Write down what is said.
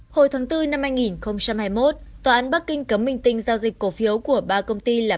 hồi tháng bốn năm hai nghìn hai mươi một tòa án bắc kinh cấm bình tinh giao dịch cổ phiếu của ba công ty là